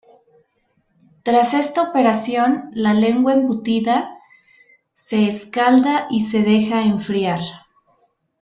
Tras esta operación la lengua embutida se escalda y se deja enfriar.